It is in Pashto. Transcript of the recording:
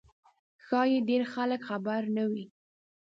ښایي ډېر خلک خبر نه وي.